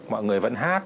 mọi người vẫn hát